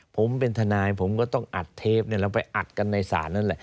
ผมเป็นทนายผมก็ต้องอัดเทปแล้วไปอัดกันในศาลนั่นแหละ